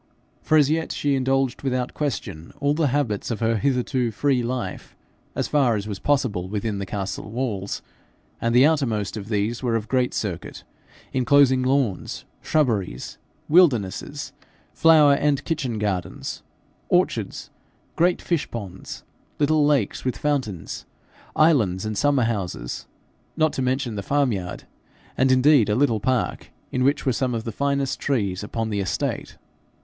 For as yet she indulged without question all the habits of her hitherto free life, as far as was possible within the castle walls, and the outermost of these were of great circuit, enclosing lawns, shrubberies, wildernesses, flower and kitchen gardens, orchards, great fish ponds, little lakes with fountains, islands, and summer houses not to mention the farmyard, and indeed a little park, in which were some of the finest trees upon the estate.